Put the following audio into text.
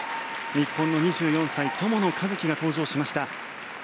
日本の２４歳、友野一希が登場しました。